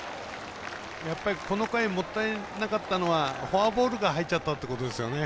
この回もったいなかったのはフォアボールから入っちゃったってことですよね。